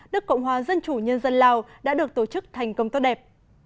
nước cộng hòa dân chủ nhân dân lào đã được tổ chức thành công tốt đẹp